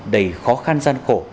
đầy khó khăn gian khổ